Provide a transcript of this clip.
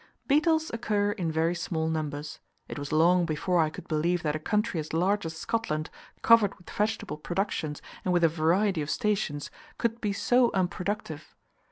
Beetles occur in very small numbers: it was long before I could believe that a country as large as Scotland, covered with vegetable productions and with a variety of stations, could be so unproductive.